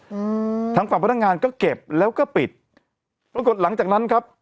อืมทางฝั่งพนักงานก็เก็บแล้วก็ปิดปรากฏหลังจากนั้นครับ